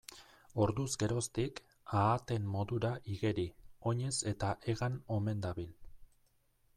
Orduz geroztik, ahateen modura igeri, oinez eta hegan omen dabil.